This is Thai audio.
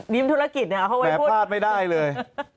ยิ้มธุรกิจเอาเข้าไปพูดแหมพลาดไม่ได้เลย